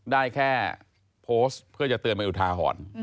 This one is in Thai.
ได้แค่โพสต์เพื่อจะเตือนมาอยู่ทาหอน